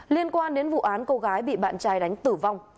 liên quan đến vụ án cô gái bị bạn trai đánh tử vong